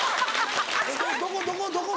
「どこどこどこ？